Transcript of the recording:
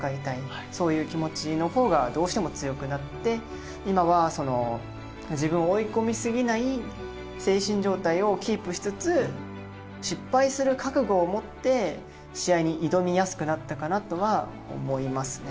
そういう気持ちの方がどうしても強くなって今は自分を追い込み過ぎない精神状態をキープしつつ失敗する覚悟を持って試合に挑みやすくなったかなとは思いますね。